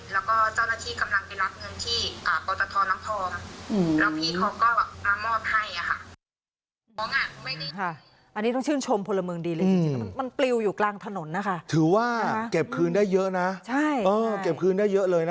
แล้วก็เจ้าหน้าที่กำลังไปรับเงินที่